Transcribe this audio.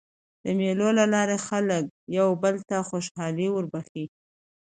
د مېلو له لاري خلک یو بل ته خوشحالي وربخښي.